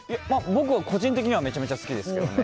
僕は個人的にはめちゃめちゃ好きですけどね。